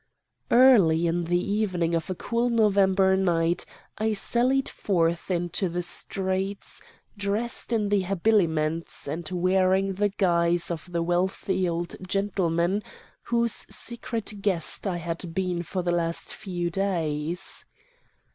"Early in the evening of a cool November night I sallied forth into the streets, dressed in the habiliments and wearing the guise of the wealthy old gentleman whose secret guest I had been for the last few days.